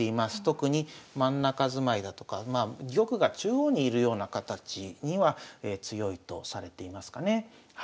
特に真ん中住まいだとか玉が中央に居るような形には強いとされていますかね。